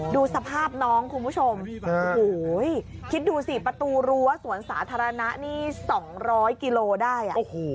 ดูสภาพน้องคุณผู้ชมโอ้โหคิดดูสิประตูรั้วสวนสาธารณะนี่๒๐๐กิโลได้